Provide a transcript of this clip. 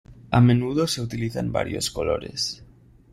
A menudo se utilizan varios colores.